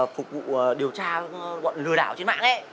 phục vụ điều tra bọn lừa đảo trên mạng